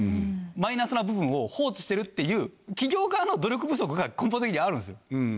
マイナスな部分を放置してるっていう企業側の努力不足が根本的にあるんですよ。